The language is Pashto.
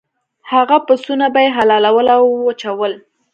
هغه پسونه به یې حلالول او وچول.